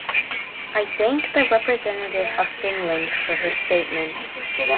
I thank the representative of Finland for her statement.